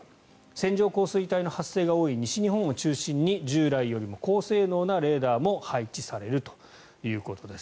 線状降水帯の発生が多い西日本を中心に従来よりも高性能なレーダーも配置されるということです。